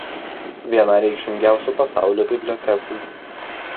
Viena reikšmingiausių pasaulio bibliotekų.